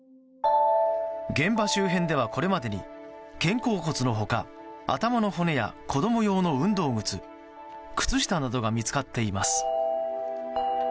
現場周辺ではこれまでに、肩甲骨の他頭の骨や子供用の運動靴靴下などが見つかっています。